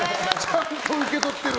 ちゃんと受け取ってる。